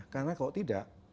karena kalau tidak